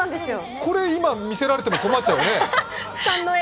これ、今、見せられても困っちゃうよね。